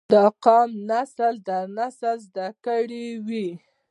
دا قام نسل در نسل زده کړي وي